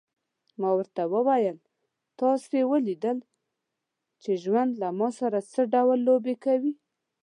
ما ورته وویل: تاسي ولیدل چې ژوند له ما سره څه ډول لوبې کوي.